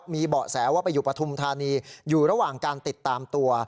มีเบาะแสว่าไปอยู่ปฐุมธานีอยู่ระหว่างการติดตามตัว